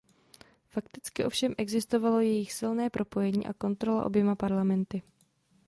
Fakticky ovšem existovalo jejich silné propojení a kontrola oběma parlamenty.